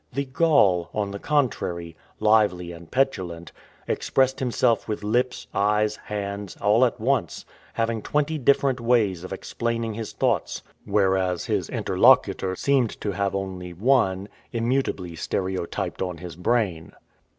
The Gaul, on the contrary, lively and petulant, expressed himself with lips, eyes, hands, all at once, having twenty different ways of explaining his thoughts, whereas his interlocutor seemed to have only one, immutably stereotyped on his brain.